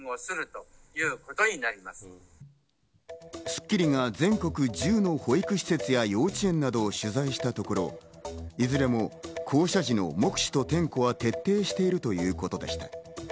『スッキリ』が全国１０の保育施設や幼稚園などを取材したところ、いずれも降車時の目視と点呼は徹底しているということでした。